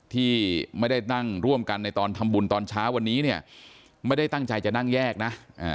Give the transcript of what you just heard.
ที่ไม่ได้นั่งร่วมกันในตอนทำบุญตอนเช้าวันนี้เนี่ยไม่ได้ตั้งใจจะนั่งแยกนะ